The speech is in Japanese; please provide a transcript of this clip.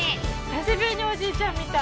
久しぶりにおじいちゃん見た。